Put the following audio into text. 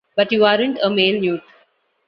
But you aren't a male newt.